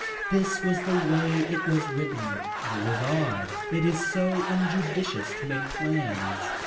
This was the way it was written. I was awed. It is so injudicious to make plans.